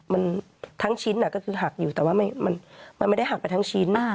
มันทั้งชิ้นก็คือหักอยู่แต่ว่ามันไม่ได้หักไปทั้งชิ้น